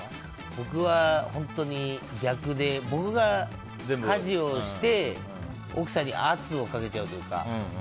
僕は本当に逆で僕が家事をして奥さんに圧をかけちゃうというか。